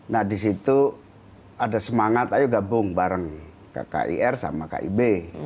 nah di situ ada semangat ayo gabung bareng ke kir sama kib